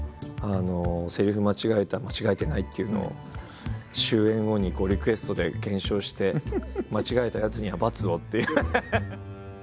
せりふ間違えた間違えてないっていうのを終演後にリクエストで検証して間違えたやつには罰をっていうハハハハ！